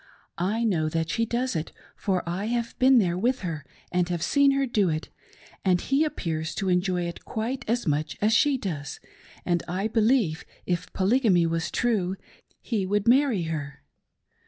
I know that she does it, for I have been there with her, and have seen her do it; and he appears to enjoy it quite as much as she does, and, I believe, if Polygamy was true he would marry her."